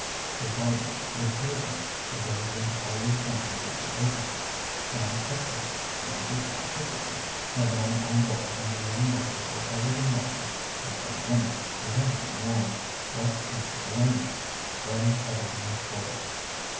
The gardener would hear them, for there was always someone there to open. And, at first, things had gone perfectly; Madame Hennebeau and the young ladies were already knocking when some women, who had been warned, rushed into the lane. Then everything was spoilt.